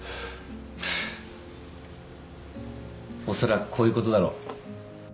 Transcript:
おそらくこういうことだろう。